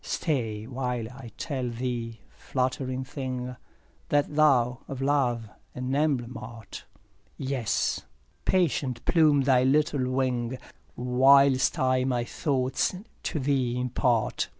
2 Stay while I tell thee, fluttering thing, That thou of love an emblem art; Yes! patient plume thy little wing, Whilst I my thoughts to thee impart.